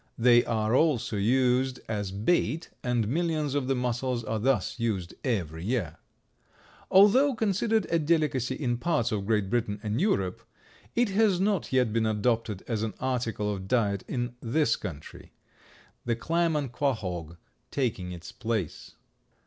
They are also used as bait, and millions of the mussels are thus used every year. Although considered a delicacy in parts of Great Britain and Europe, it has not yet been adopted as an article of diet in this country, the clam and quahaug taking its place.